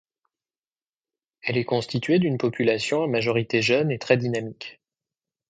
Elle est constituée d'une population à majorité jeune et très dynamique.